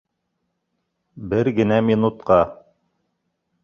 Бер генә минутҡа